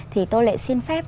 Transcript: thì tôi lệ xin phép